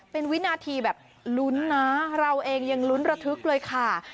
เป็นวินาทีแบบลุ้นนะเราเองยังลุ้นระทึกเลยค่ะ